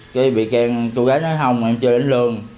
khi vị can cô gái nói không em chưa đến lương